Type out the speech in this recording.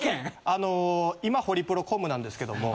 あの今ホリプロコムなんですけども。